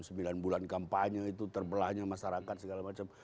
apa yang terjadi dalam sembilan bulan kampanye itu terbelahnya masyarakat segala macam